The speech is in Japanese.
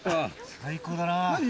最高だな。